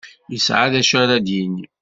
Yesεa d acu ara d-yini.